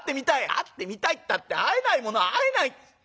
「『会ってみたい』ったって会えないものは会えない。